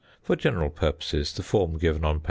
For general purposes the form given on p.